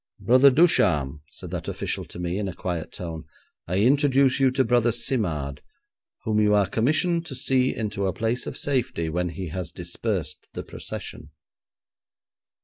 'Brother Ducharme,' said that official to me in a quiet tone, 'I introduce you to Brother Simard, whom you are commissioned to see into a place of safety when he has dispersed the procession.'